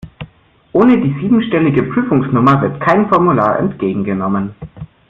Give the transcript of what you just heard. Ohne die siebenstellige Prüfungsnummer wird kein Formular entgegengenommen.